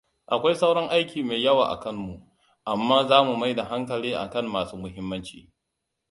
Akwai sauran aiki mai yawa akanmu, amma zamu mai da hankali akan masu muhimmanci.